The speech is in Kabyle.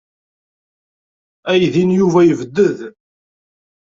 Aydi n Yuba yebded.